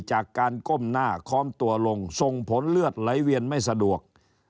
จากการก้มหน้าค้อมตัวลงส่งผลเลือดไหลเวียนไม่สะดวก